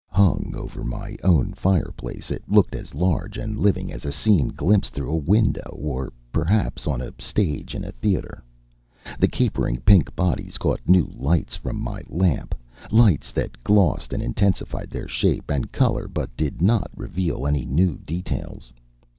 Hung over my own fireplace, it looked as large and living as a scene glimpsed through a window or, perhaps, on a stage in a theater. The capering pink bodies caught new lights from my lamp, lights that glossed and intensified their shape and color but did not reveal any new details.